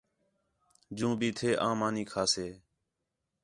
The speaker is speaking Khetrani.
جوں بھی تھے آں مانی کھاسے